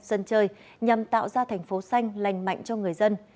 sân chơi nhằm tạo ra thành phố xanh lành mạnh cho người dân